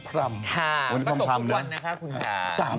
จันทร์ฝนตกทุกวันนะคะคุณทาง